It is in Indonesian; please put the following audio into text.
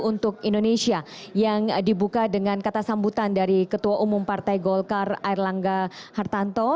untuk indonesia yang dibuka dengan kata sambutan dari ketua umum partai golkar air langga hartanto